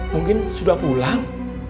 mungkin sudah pulang